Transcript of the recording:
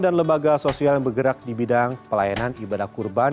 dan lembaga sosial yang bergerak di bidang pelayanan ibadah kurban